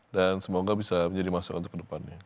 dan semoga bisa menjadi maksud untuk pendepannya